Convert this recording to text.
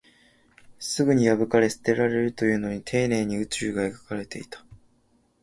すぐに破かれ、捨てられるというのに、丁寧に宇宙が描かれていた